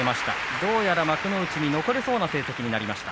どうやら幕内に残れそうな成績になりました。